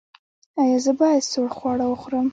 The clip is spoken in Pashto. ایا زه باید سوړ خواړه وخورم؟